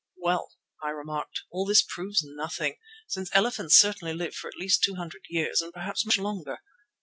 "Well," I remarked, "all this proves nothing, since elephants certainly live for at least two hundred years, and perhaps much longer.